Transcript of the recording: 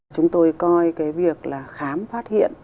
chúng tôi coi cái việc là khám phát hiện